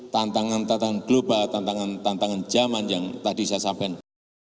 tantangan tantangan global tantangan tantangan zaman yang tadi saya sampaikan